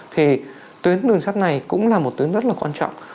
thì tuyến đường sắt này cũng là một tuyến rất là quan trọng